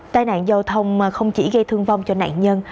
tài nạn giao thông không chỉ gây thương vong cho nạn nhân